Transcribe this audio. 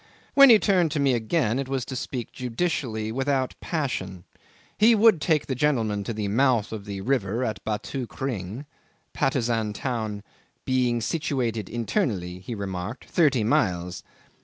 When he turned to me again it was to speak judicially, without passion. He would take the gentleman to the mouth of the river at Batu Kring (Patusan town "being situated internally," he remarked, "thirty miles").